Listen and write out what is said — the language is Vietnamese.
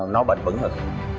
nó bền bẩn hơn